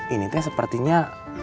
ini teh sepertinya